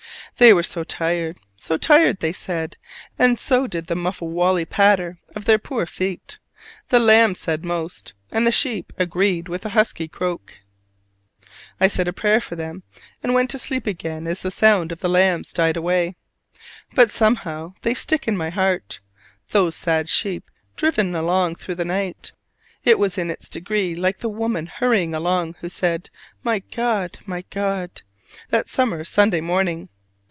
They were so tired, so tired, they said: and so did the muffawully patter of their poor feet. The lambs said most; and the sheep agreed with a husky croak. I said a prayer for them, and went to sleep again as the sound of the lambs died away; but somehow they stick in my heart, those sad sheep driven along through the night. It was in its degree like the woman hurrying along, who said, "My God, my God!" that summer Sunday morning.